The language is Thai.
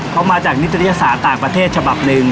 เขามาจากนิตยศาสตร์ต่างประเทศฉบับหนึ่ง